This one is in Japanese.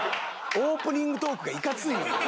オープニングトークがいかついねん。